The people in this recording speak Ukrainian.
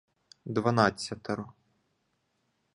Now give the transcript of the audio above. Дванадцятеро